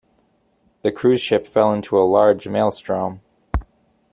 The cruise ship fell into a large Maelstrom.